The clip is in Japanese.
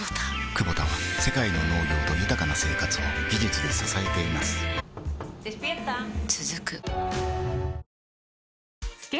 クボタは世界の農業と豊かな生活を技術で支えています起きて。